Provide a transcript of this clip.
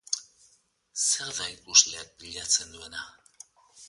Zer da ikusleak bilatzen duena?